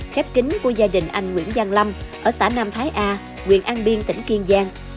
khép kính của gia đình anh nguyễn giang lâm ở xã nam thái a quyền an biên tỉnh kiên giang